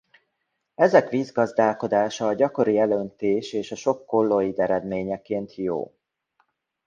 Ezek vízgazdálkodása a gyakori elöntés és a sok kolloid eredményeként jó.